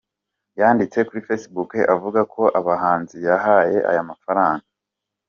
Yanditse kuri Facebook, avuga ko abahanzi yahaye aya mafaranga